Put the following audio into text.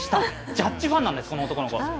ジャッジファンなんです、この男の子。